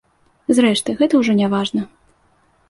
Зрэшты, гэта ўжо не важна.